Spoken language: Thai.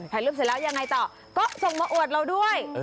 รูปเสร็จแล้วยังไงต่อก็ส่งมาอวดเราด้วย